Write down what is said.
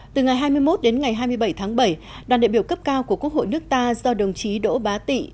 từ ngày hai mươi một đến ngày hai mươi bảy tháng bảy đoàn đại biểu cấp cao của quốc hội nước ta do đồng chí đỗ bá tị